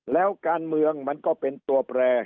แล้วการเมืองมันก็เป็นตัวแปร